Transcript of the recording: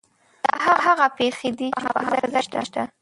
دا هغه پېښې دي چې په حافظه کې شته.